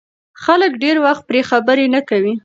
خلک ډېر وخت پرې خبرې نه کوي.